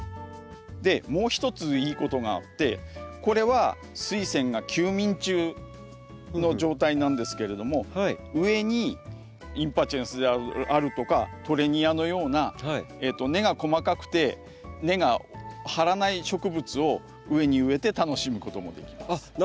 もう一ついいことがあってこれはスイセンが休眠中の状態なんですけれども上にインパチェンスであるとかトレニアのような根が細かくて根が張らない植物を上に植えて楽しむこともできます。